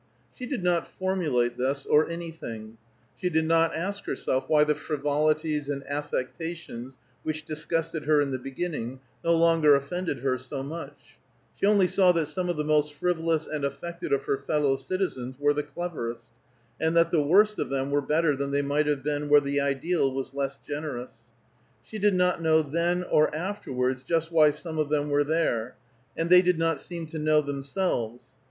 She did not formulate this, or anything; she did not ask herself why the frivolities and affectations which disgusted her in the beginning no longer offended her so much; she only saw that some of the most frivolous and affected of her fellow citizens were the cleverest; and that the worst of them were better than they might have been where the ideal was less generous. She did not know then or afterwards just why some of them were there, and they did not seem to know themselves.